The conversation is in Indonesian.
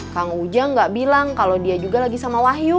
kang ujang gak bilang kalau dia juga lagi sama wahyu